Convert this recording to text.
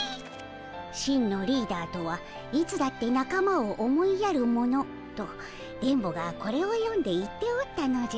「真のリーダーとはいつだってなかまを思いやる者」と電ボがこれを読んで言っておったのじゃ。